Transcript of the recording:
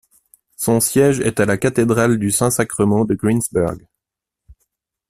Son siège est à la cathédrale du Saint-Sacrement de Greensburg.